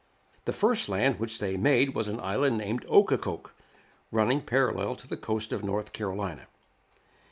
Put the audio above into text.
The first land which they made was an island named Okakoke, running parallel to the coast of North Carolina.